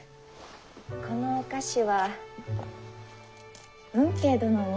このお菓子は吽慶殿に。